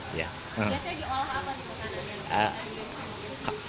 biasanya diolah apa